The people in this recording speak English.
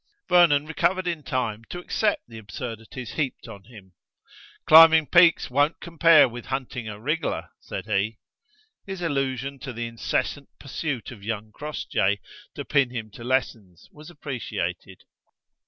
Vernon recovered in time to accept the absurdities heaped on him. "Climbing peaks won't compare with hunting a wriggler," said he. His allusion to the incessant pursuit of young Crossjay to pin him to lessons was appreciated.